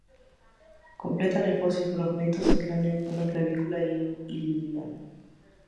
Completan el fósil fragmentos del cráneo, una clavícula y un ilion.